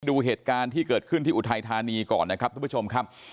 ดูเหตุการณ์ที่เกิดขึ้นที่อุทัยธานีก่อนนะครับทุกผู้ชมครับ